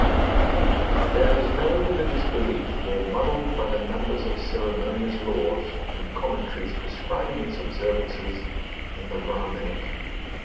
There is no religious belief more muddled by the numbers of ceremonious laws and commentaries prescribing its observances than the Brahminic.